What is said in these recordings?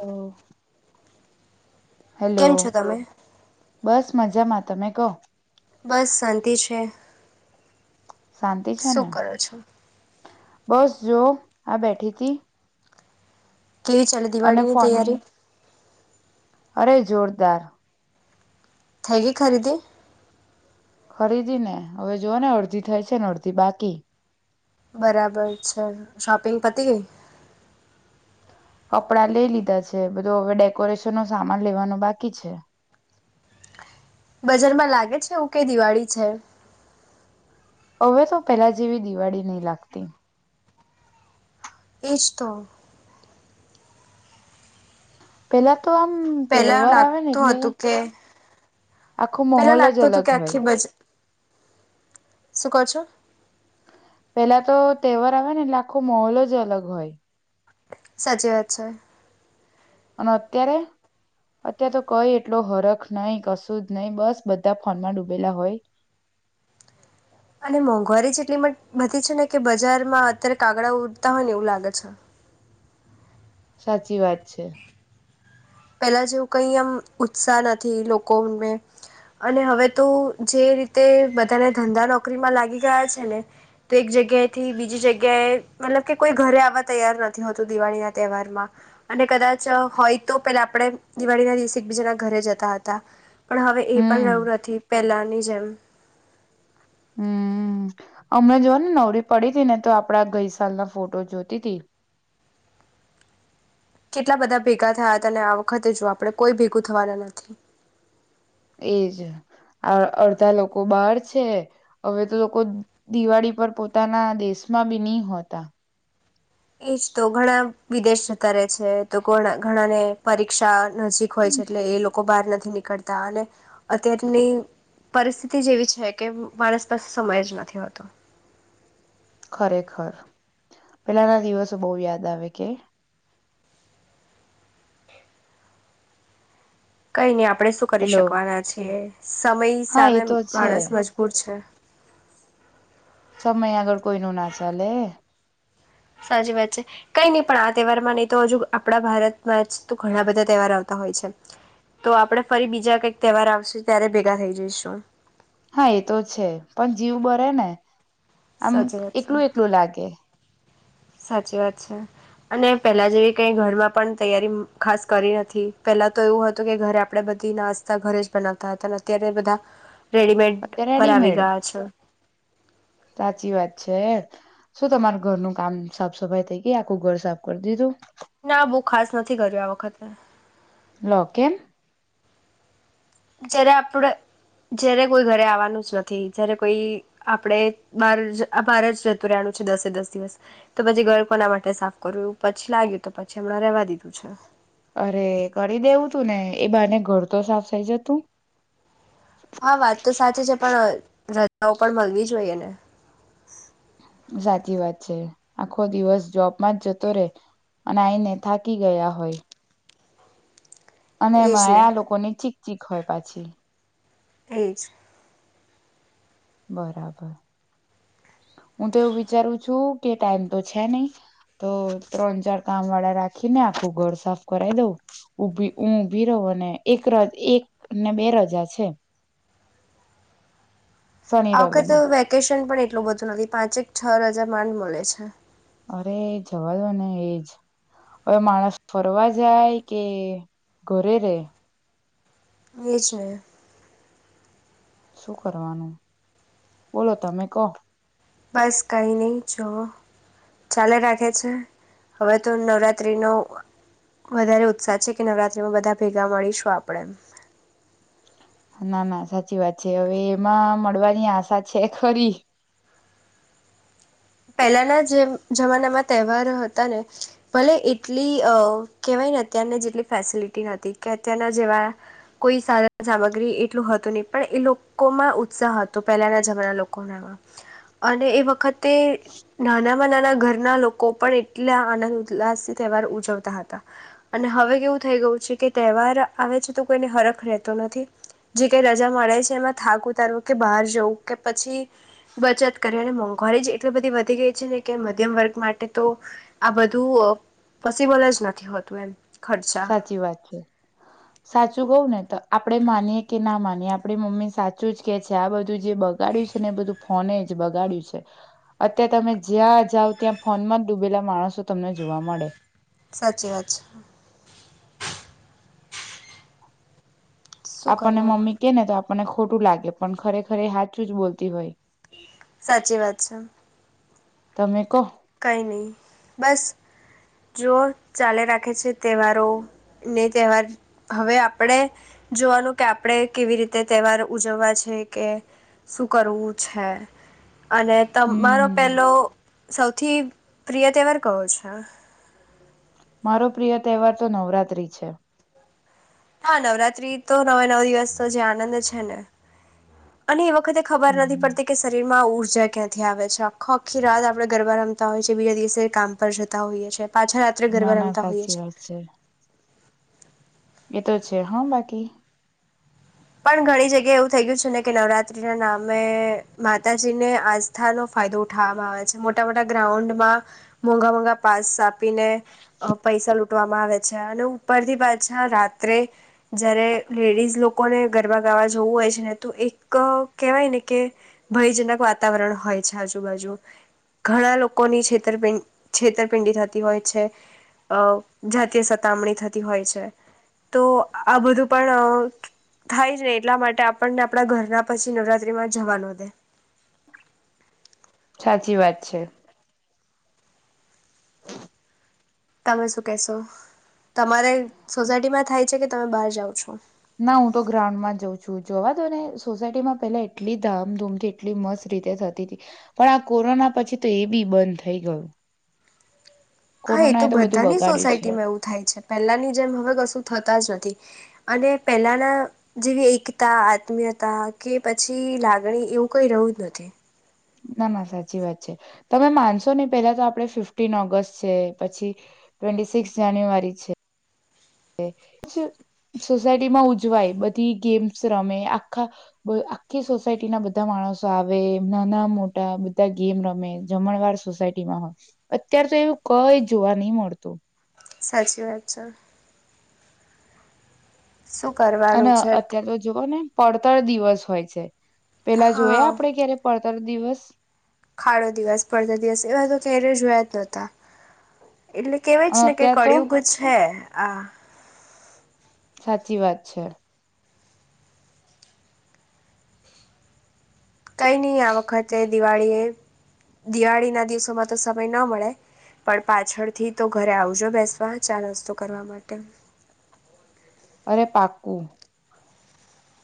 અ કેમ છો તમે બસ મજામાં તમે કહો બસ શાંતિ છે શાંતિ છે શું ને કરો છો? બસ જો આ બેઠી તી કેવી ચાલે અને દિવાળી ની ફોનની તૈયારી અરે જોરદાર થઈ ગય ખરીદીે ખરીદી ને હવે જોઓ ને અડધી થાય છે ને અડધી બાકી બરાબર છે શોપિંગ પતી ગઈ કપડા લઈ લીધા છે બધું હવે ડેકોરેશન નો સામાન લેવાનું બાકી છે બજારમાં લાગે છે એવું કઈ દિવાળી છે હવે તો પેલા જેવી દિવાળી ની લાગતી એજ તો પેલા તો આમ પેલા તહેવાર આવે ને લાગતું એટલે હતું કે આખો પેલા માહોલ જ લાગતું હતું અલગ કે આખી હોય બજ શું કહો છો પેલા તો તહેવાર આવે ને એટલે આખો માહોલ જ અલગ હોય સાચી વાત છે અને અત્યારે અત્યારે તો કઈ એટલો હરખ નઈ કશું જ નહિ બસ બધા ફોનમાં ડૂબેલા હોય અને મોંઘવારી જ એટલી બધી છે ને કે બજારમાં અત્યારે કાગડા ઉડતા હોય ને એવું લાગે છે સાચી વાત છે પેલા જેવું કઈ એમ ઉત્સાહ નથી લોકોને અને હવે તો જે રીતે બધાને ધંધા નોકરીમાં લાગી ગયા છે ને તો એક જગ્યાએથી બીજી જગ્યાએ મતલબ કે કોઈ ઘરે આવવા તૈયાર નથી હોતું દિવાળી ના તહેવારમાં અને કદાચ વિચાર હોય તો આપણે દિવાળી ના દિવસે એકબીજાના ઘરે જતા હતા પણ હવે એ પણ હમ રહ્યું નથી પહેલા નિજમ હમ્મ હમણાં જોવા ને નવરી પડી હતી ને તો આપડા ગઈસલના ફોટો જોતી તી કેટલા બધા ભેગા થયા હતા અને આ વખતે જ આપણે કોઈ ભેગું થવાના નથી એજ આ અડધા લોકો બહાર છે હવે તો લોકો દિવાળી પર પોતાના દેશમાં બી ની હોતા એજ તો ઘણા વિદેશ જતા રહેે છે તો ઘણા ને પરીક્ષા નજીક હોય છે એટલે એ લોકો બહાર નથી નીકળતા અને અત્યારની પરિસ્થિતિ જેવી છે કે માણસ પાસે સમય જ નથી હોતો ખરેખર પેલાના દિવસો બો યાદ આવે કે કઈ નહી આપ આપડણે શું કરી હેલો શકવાના છીએ સમય હા એ સામે તો છે માણસ મજબૂર છે સમય આગળ કોઈ નું ના ચાલે સાચી વાત છે કઈ નહી પણ આ તહેવારમાં નહી તો હજુ આપડા ભારતમાં જ તો ઘણા બધા તહેવાર આવતા હોય છે તો આપડે ફરી બીજા કઈક તહેવાર આવશે ત્યારે ભેગા થઈ જઈશું હા એ તો છે પણ જીવ બરે ને આમ સાચી વાત છે એકલું એકલું લાગે સાચી વાત છે અને પેલા જેવી કઈ ઘરમાં પણ તૈયારી ખાસ કરી નથી પેલા તો એવું હતું કે ઘરે આપણેે બધી નાસ્તા ઘરે જ બનાવતા હતા અને અત્યારે બધા રેડીમેડ અત્યારે પર આવી રેડીમેડ ગયા છે સાચી [unintelligible] શું તમાર ઘરનું કામ સાફ સફાઈ થઈ ગઈ આખું ઘર સાફ કરે દીધું ના ખાસ નથી કર્યું આ વખતે લો કેમ જ્યારે આપડ જયારે કોઈ ઘરે આવવાનું જ નથી જયારે કોઈ આપડ બાર બાર જ રહેતું રહેનું છે દસે દસ દિવસ તો પછી ઘર કોના માટે સાફ કર્યું પછી લાગ્યું તો પછી હમણાં રેવા દીધું છે અરે કરી દેવું તું ને એ બાને ઘર તો સાફ થઇ જતું હા વાત તો સાચી છે પણ રજાઓ પણ મળવી જોઈએ ને સાચી વાત છે આખો દિવસ જોબમાં જ જતો રે અને આઈને થાકી ગયા હોય અને એજ એમાં ને આ લોકોની ચી ચીક હોય પાછી એજ બરાબર હું તો એવું વિચારું છું કે ટાઈમ તો છે નહી તો ત્રણ ચાર કામવાળા રાખીને આખું ઘર સાફ કરાઈ દઉં ઉભી હું ઉભી રહું અને એક એક ને બે રજા છે શનિ આવ ક તો રવિની વેકેશ પણ એટલું બધું નથી પાંચેક છ હજાર માંડ મળે છે. અરે એ જવા દ ને એજ હવે માણસ ફરવા જાય કે ઘરે રે એ જ ન શું કરવાનું બોલો તમે કહો બસ કઈ નહી જઓ ચાલે રાખે છે હવે તો નવરાત્રિનો વધારે ઉત્સાહ છે કે નવરાત્રિમાં બધા ભેગા મળીશું આપણે ના ના સાચી વાત છે હવે એમાં મળવાની આશા છે ખરી પહેલાના જે જમાનામાં તહેવાર હતા ને ભલે એટલી અ કેહેવાય ને અત્યારને જેટલી ફેસિલિટી હતી કે અત્યારના જેવા કોઈ સારા સામગ્રી એટલું હતું નહ પણ એ લોકોમાં ઉત્સાહ હતો પહેલાના જમાના લોકોનામાં અને એ વખતે નાનામાં નાના ઘરના લોકો પણ એટલા આનંદ ઉલ્લાસથી તહેવાર ઉજવતા હતા અને હવે કેવું થઈ ગયું છે કે તહેવાર આવે છે તો કોઈને હરખ રહેતો નથી જે કઈ રજા મળે છે એમાં થાક ઉતારવું કે બહાર જવું કે પછી બચત કરે અને મોંઘવારી જ એટલી બધી વધી ગઈ છે ને કે મધ્યમ વર્ગ માટે તો આ બધું પોસિબલ જ નથી હોતું એમ ખર્ચા સાચી વાત છે સાચું કવ ને તો આપડે માનીએ કે ના માનીએ આપણી મમ્મી સાચું જ કે છે આ બધું જે બગડ્યું છે ને બધું ફોને જ બગાડ્યું છે અત્યારે તમે જ્યાં જાઓ ત્યાં ફોનમાં જ ડૂબેલા માણસો તમને જોવા મળે સાચી વાત છે. શું આપણને કરવાના મમ્મી કે ને તો આપ મને ખોટું લાગે પણ ખરેખરે એ હાચું જ બોલતી હોય સાચી વાત છે. તમે કહ કઈ નહી બસ જો ચાલે રાખે છે તહેવારો ને તહેવાર હવે આપણે જોવાનું કે આપણે કેવી રીતે તહેવાર ઉજવવા છે કે શું કરવું છે. અને તમારો હમ પેલો સૌ પ્રિય તહેવાર કયો છે. મારો પ્રિય તહેવાર તો નવરાત્રિ છે. હા નવરાત્રી તો નવે નવ દિવસ જ આનંદ છે ને અને એ વખતે ખબર નથી હમ. પડતી કે શરીરમાં ઊર્જા ક્યાંથી આવે છે આખો આખી રાત આપણેે ગરબા રમતા હોય છે બીજા દિવસે કામ પર જતા હોઈએ છે. પાછા રાત્રે ના ગરબા ના રમતા હોઈએ સાચી છે. વાત એ તો છે હા બાકી પણ ઘણી જગ જગ્યા એવું થઈ ગય છે ને કે નવરાત ના નામે માતાજીને આસ્થાનો ફાયદો ઉઠાવવામાં આવે છે મોટા મોટા ગ્રાઉન્ડમાં મોંઘા મોઘા પાસ આપ આપીને અ પૈસા લૂટવામાં આવે છે અને ઉપરથી પાછા રાત્રે જયારે લેડીઝ લોકો લોકોને ગરબા ગાવા જોવું હોય છે ને તો એક કેહેવાય ને કે ભયજનક વાતાવરણ હોય છે આજુબાજુ ઘણા લોકોની છેતરપિંડ છેતરપિંડી થતી હોય છે અ જાતીય સતામણી થતી હોય છે તો આ બધું પણ થાય ને એટલા માટે આપણને આપડા ઘરના પછી નવરાત્રીમાં જવા ન દે સાચી વાત છે. તમે શું કેશો તમારે સોસાયટીમાં થાય છે કે તમે બહાર જાઓ છો. ના હું તો ગ્રાઉન્ડમાં જાઉં છું જવા દો ને સોસાયટીમાં પેલા એટલી ધામધૂમથી એટલી મસ્ત રીતે થતી હતી પણ આ કોરોના પછી તો એ બી બંધ થઈ ગયું. હા એ કોરોના તો બધું બધાની બગાડ્યું છે સોસાયટીમાં એવું થાય છે પહેલાની જેમ હવે કશું થતા જ નથી. અને પહેલાના જેવી એકતા આત્મીયતા કે પછી લાગણી એવું કઈ રહયું જ નથી. ના ના સાચી વાત છે તમે માનશો નહી પેલા તો આપણે ફિફ્ટીન ઓગસ્ટ છે પછી ટ્વેન્ટી સિક્સ જાન્યુઆરી છે સોસાયટીમાં ઉજવાય બધી ગેમ્સ રમે આખા બ આખી સોસાયટીના બધા માણસો આવે નાના મોટા બધા ગેમ રમે જમણવાર સોસાયટીમાં હોય અત્યારે તો એવું કઈ જોવા ની મળતું. સાચી વાત છે. શું કરવાનું અને છે અત્યારે તો જુઓ ને પડતર દિવસ હોય છે. પેલા જોયા હા આપડે ક્યારે પડતા ઉત્તર દિવસ ખાડો દિવસ પડતા દિવસ એવા તો ક્યારે જોયા જ નહોતા એટલે કેવાય જ અને ને કે અત્યાર તો કળિુગ જ છે. આ સાચી વાત છે. કઈ નહી આ વખતે દિવાળી એ દિવાળી ના દિવસોમાં તો સમય ન મળે પણ પાછળથી તો ઘરે આવજો બેસવા ચા નાસ્તો કરવા માટે અરે પાકું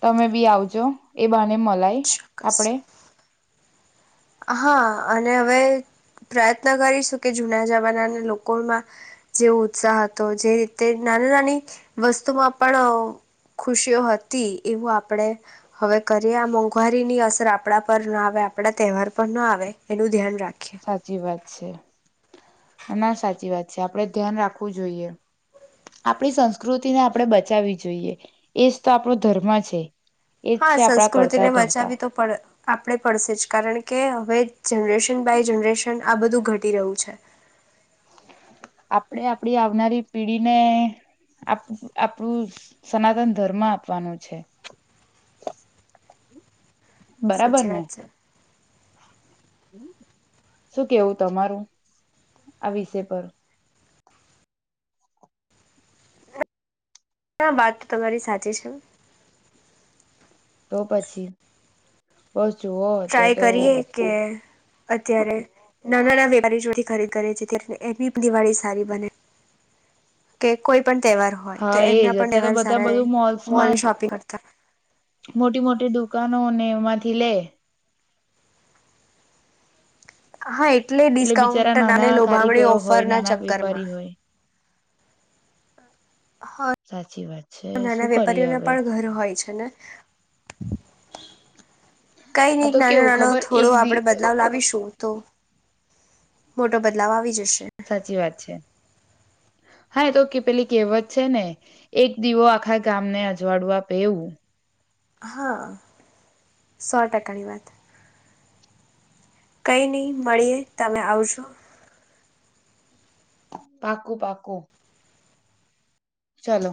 તમે બી આવજો એ બા અને મલાઈ ચોક્કસ આપણેે હા અને હવે પ્રયત્ન કરીશું કે જુના જમાનાના લોકોમાં જેવ ઉત્સાહ હતો જે રીતે નાની નાની વસ્તુમાં પણ ખુશીઓ હતી એવું આપણેે હવે કરીએ આ મોંઘવારીની અસર આપણા પર ના આવે આપણા તહેવાર પણ ન આવે એનું ધ્યાન રાખે સાચી વાત છે ના સાચી વાત છે આપડે ધ્યાન રાખવું જોઈએ આપણી સંસ્કૃતિને આપણેે બચાવવી જોઈએ એજ તો આપણો ધર્મ છે એજ હા છે આપણા સંસ્કૃતિને કરતા ધરતા બચાવી તો પડે આપણે પડશે જ કારણ કે હવે જનરેશન બાય જનરેશન આ બધું ઘટી રહ્યું છે આપડે આપડી આવનારી પેઢીને આપણું સનાતન ધર્મ આપવાનું છે બરાબર સાચી ને વાત છે શું કેવું તમારું આ વિષય પર આ વાત તો તમારી સાચી છે તો પછી બ ટ્રાય કરીએ કે અત્યારે નાના નાના વેપારી જોથી ખરીદ કરે છે ત્યારે એની દિવાળી સારી બને કે કોઈ પણ તહેવાર હોય તો હા એમના એજ પણ અત્યારે તો તહેવાર બધા સારા રહે બધું મોલ્સમાં મોલ શોપિંગ કરતા મોટી મોટી દુકાનો ને મા થી લે હા એ એટલે બિચારા ડિસ્કાઉન્ટનાને નાના લોભામણી કારીગરો હોય ઓફરના નાના ચક્કર માં વેપારી હોય હા સાચી વાત છે નાના શું કરીએ વેપારીઓના હવે પણ ઘર હોય છે ને કઈ આ નહી તો નાનો કેવું નાનો ખબર થોડો એક દી આપણેે બદલાવ લાવીશું તો મોટો બદલાવ આવી જ સાચી વાત છે હા એ તો કે પેલી કહેવત છે ને એક દીવો આખા ગામને અજવાડું આપ એવું હા સો ટકાની વાત કઈ નહી મળીએ તમે આવજો પાકું પાકું ચાલો.